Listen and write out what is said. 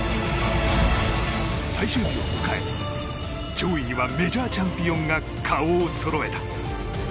最終日を迎え上位にはメジャーチャンピオンが顔をそろえた。